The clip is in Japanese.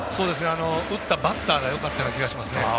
打ったバッターがよかったような気がしますね。